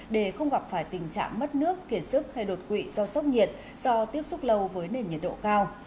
để không gặp phải tình trạng mất nước kiệt sức hay đột quỵ do sốc nhiệt do tiếp xúc lâu với nền nhiệt độ cao